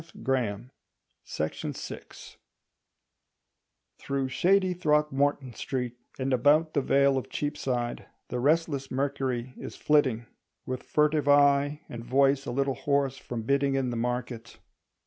The Rural Pan (An April Essay) Through shady Throgmorton Street and about the vale of Cheapside the restless Mercury is flitting, with furtive eye and voice a little hoarse from bidding in the market.